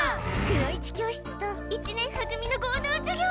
くの一教室と一年は組の合同授業。